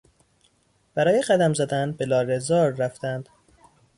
برای قدم زدن به لاله زار رفتند.